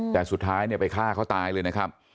แต่สุดท้ายเนี่ยไปฆ่าเขาตายเลยนะครับ